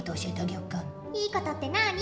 いいことってなに？